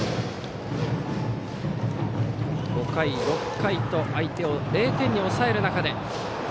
５回、６回と相手を０点に抑える中で。